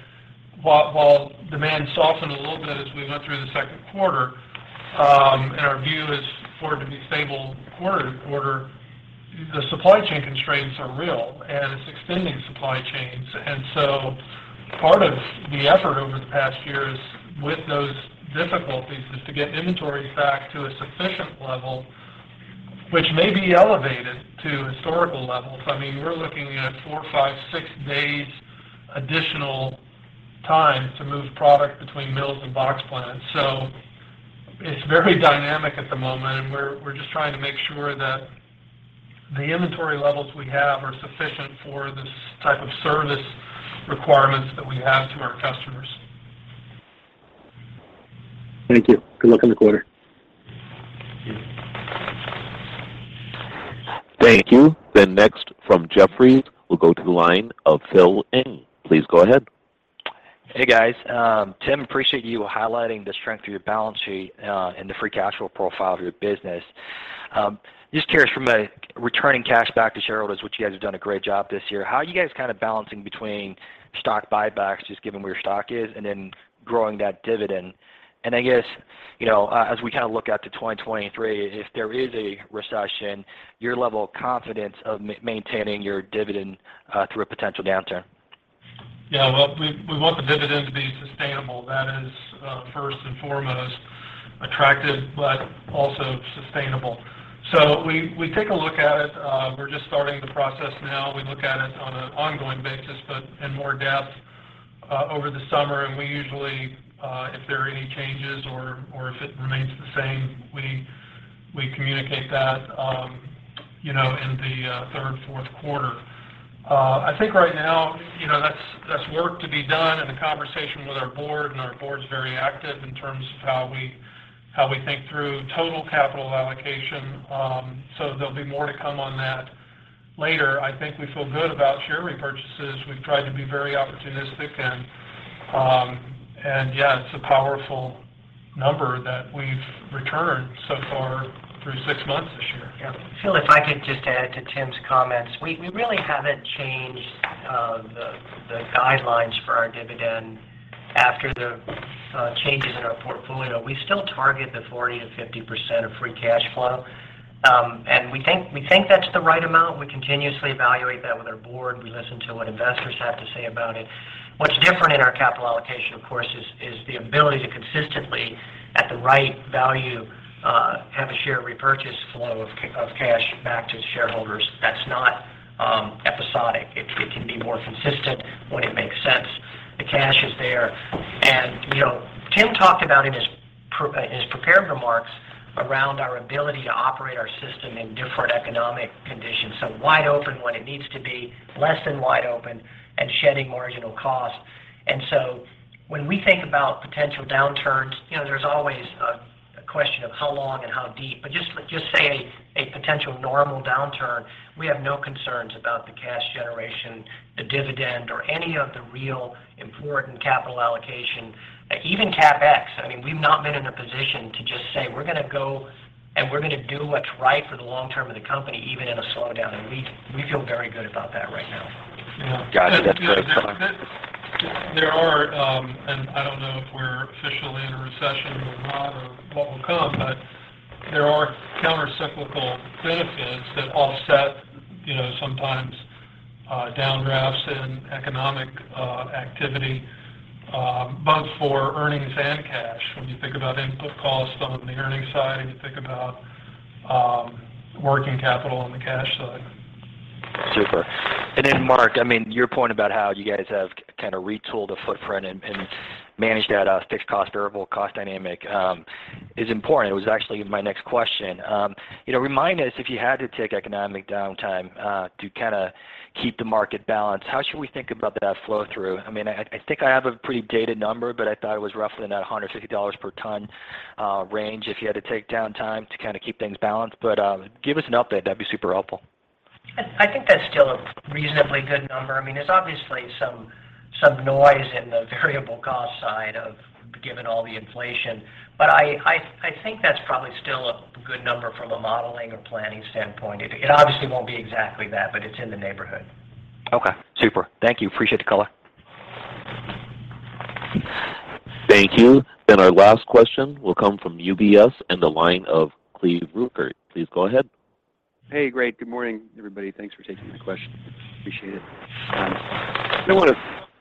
while demand softened a little bit as we went through the second quarter, and our view is for it to be stable quarter to quarter, the supply chain constraints are real, and it's extending supply chains. Part of the effort over the past year, with those difficulties, is to get inventory back to a sufficient level, which may be elevated to historical levels. I mean, we're looking at 4, 5, 6 days additional time to move product between mills and box plants. It's very dynamic at the moment, and we're just trying to make sure that the inventory levels we have are sufficient for this type of service requirements that we have to our customers. Thank you. Good luck on the quarter. Thank you. Thank you. Next from Jefferies, we'll go to the line of Philip Ng. Please go ahead. Hey, guys. Tim, appreciate you highlighting the strength of your balance sheet and the free cash flow profile of your business. Just curious from a returning cash back to shareholders, which you guys have done a great job this year, how are you guys kind of balancing between stock buybacks, just given where your stock is, and then growing that dividend? I guess, you know, as we kind of look out to 2023, if there is a recession, your level of confidence of maintaining your dividend through a potential downturn. Yeah. Well, we want the dividend to be sustainable. That is, first and foremost, attractive but also sustainable. We take a look at it. We're just starting the process now. We look at it on an ongoing basis, but in more depth over the summer. We usually, if there are any changes or if it remains the same, we communicate that, you know, in the third, fourth quarter. I think right now, you know, that's work to be done and a conversation with our board, and our board's very active in terms of how we think through total capital allocation. There'll be more to come on that later. I think we feel good about share repurchases. We've tried to be very opportunistic and yeah, it's a powerful number that we've returned so far through six months this year. Yeah. Phil, if I could just add to Tim's comments. We really haven't changed the guidelines for our dividend after the changes in our portfolio. We still target the 40%-50% of free cash flow. We think that's the right amount. We continuously evaluate that with our board. We listen to what investors have to say about it. What's different in our capital allocation, of course, is the ability to consistently, at the right value, have a share repurchase flow of cash back to shareholders that's not episodic. It can be more consistent when it makes sense. The cash is there. You know, Tim talked about in his prepared remarks around our ability to operate our system in different economic conditions, so wide open when it needs to be, less than wide open, and shedding marginal costs. When we think about potential downturns, you know, there's always a question of how long and how deep. Just say a potential normal downturn, we have no concerns about the cash generation, the dividend, or any of the real important capital allocation, even CapEx. I mean, we've not been in a position to just say, "We're gonna go, and we're gonna do what's right for the long term of the company, even in a slowdown." We feel very good about that right now. Yeah. Got it. That's great. There are. I don't know if we're officially in a recession or not or what will come, but there are countercyclical benefits that offset, you know, sometimes, downdrafts in economic activity, both for earnings and cash. When you think about input costs on the earnings side and you think about working capital on the cash side. Super. Mark, I mean, your point about how you guys have kind of retooled the footprint and managed that fixed cost, variable cost dynamic is important. It was actually my next question. You know, remind us, if you had to take economic downtime to kinda keep the market balanced, how should we think about that flow-through? I mean, I think I have a pretty dated number, but I thought it was roughly in that $150 per ton range if you had to take downtime to kinda keep things balanced. Give us an update. That'd be super helpful. I think that's still a reasonably good number. I mean, there's obviously some noise in the variable cost side given all the inflation, but I think that's probably still a good number from a modeling or planning standpoint. It obviously won't be exactly that, but it's in the neighborhood. Okay, super. Thank you. Appreciate the color. Thank you. Our last question will come from UBS, and the line of Cleve Rueckert. Please go ahead. Hey, great. Good morning, everybody. Thanks for taking my question. Appreciate it. Don't wanna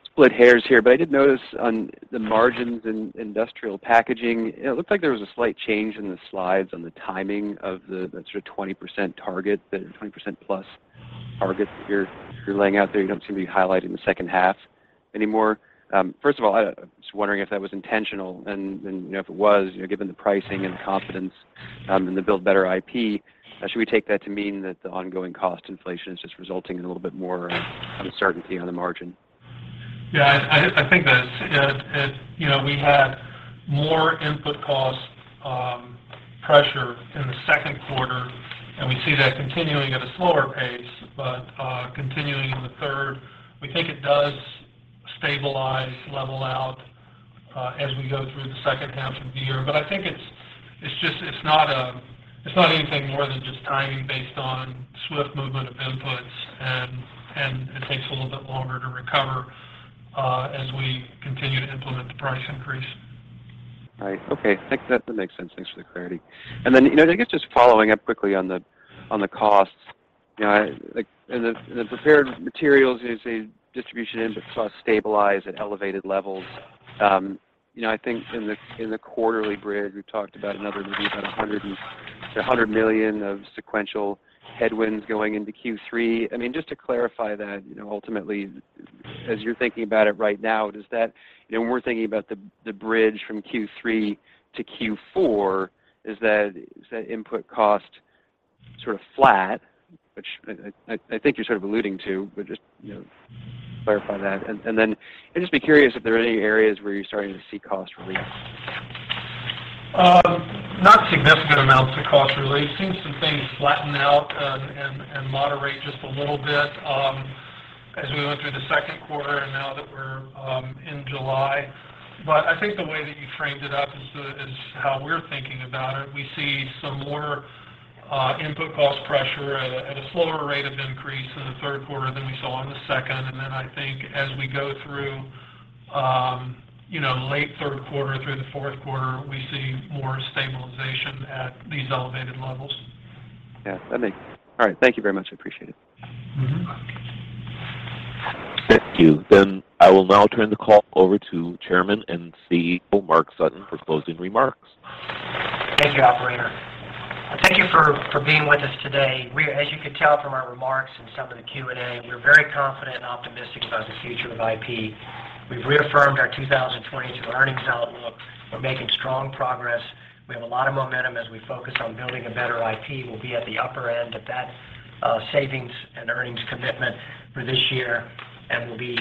split hairs here, but I did notice on the margins in Industrial Packaging, it looked like there was a slight change in the slides on the timing of the sort of 20% target, the 20%+ target that you're laying out there. You don't seem to be highlighting the second half anymore. First of all, I was just wondering if that was intentional. You know, if it was, you know, given the pricing and confidence in the Building a Better IP, should we take that to mean that the ongoing cost inflation is just resulting in a little bit more uncertainty on the margin? Yeah. I think that it's. You know, we had more input cost pressure in the second quarter, and we see that continuing at a slower pace, but continuing in the third. We think it does stabilize, level out, as we go through the second half of the year. I think it's just not anything more than just timing based on swift movement of inputs and it takes a little bit longer to recover as we continue to implement the price increase. Right. Okay. I think that makes sense. Thanks for the clarity. You know, I guess just following up quickly on the costs. You know, like in the prepared materials, you say distribution input costs stabilize at elevated levels. You know, I think in the quarterly bridge, we talked about another maybe about $100 million of sequential headwinds going into Q3. I mean, just to clarify that, you know, ultimately as you're thinking about it right now, does that. You know, when we're thinking about the bridge from Q3 to Q4, is that input cost sort of flat? Which I think you're sort of alluding to, but just, you know, clarify that. I'd just be curious if there are any areas where you're starting to see cost relief. Not significant amounts of cost relief. Seen some things flatten out and moderate just a little bit as we went through the second quarter and now that we're in July. I think the way that you framed it up is how we're thinking about it. We see some more input cost pressure at a slower rate of increase in the third quarter than we saw in the second. I think as we go through you know late third quarter through the fourth quarter, we see more stabilization at these elevated levels. All right. Thank you very much. I appreciate it. Mm-hmm. Thank you. I will now turn the call over to Chairman and CEO, Mark Sutton for closing remarks. Thank you, operator. Thank you for being with us today. As you can tell from our remarks and some of the Q&A, we're very confident and optimistic about the future of IP. We've reaffirmed our 2022 earnings outlook. We're making strong progress. We have a lot of momentum as we focus on Building a Better IP. We'll be at the upper end of that savings and earnings commitment for this year, and we'll be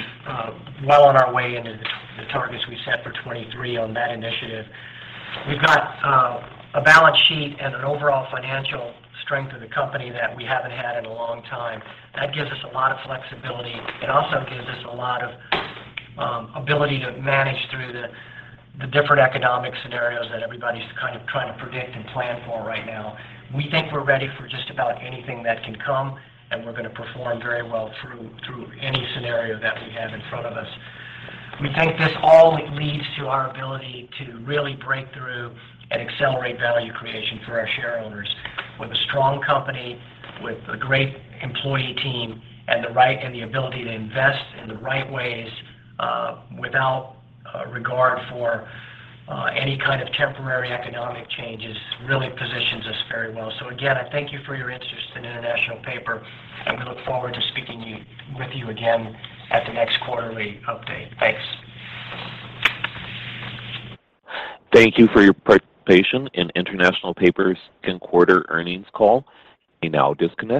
well on our way into the targets we set for 2023 on that initiative. We've got a balance sheet and an overall financial strength of the company that we haven't had in a long time. That gives us a lot of flexibility. It also gives us a lot of ability to manage through the different economic scenarios that everybody's kind of trying to predict and plan for right now. We think we're ready for just about anything that can come, and we're gonna perform very well through any scenario that we have in front of us. We think this all leads to our ability to really break through and accelerate value creation for our shareholders. With a strong company, with a great employee team, and the right and the ability to invest in the right ways, without regard for any kind of temporary economic changes, really positions us very well. Again, I thank you for your interest in International Paper, and we look forward to speaking with you again at the next quarterly update. Thanks. Thank you for your participation in International Paper's second quarter earnings call. You may now disconnect.